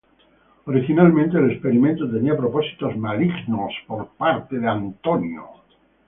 Originalmente, el experimento tenía propósitos malignos por parte de Frink.